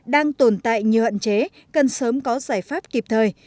đang tồn tại như hận chế cần sớm có giải pháp kịp thời